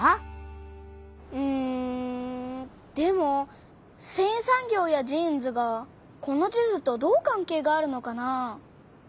うんでもせんい産業やジーンズがこの地図とどう関係があるのかな？